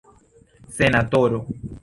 senatoro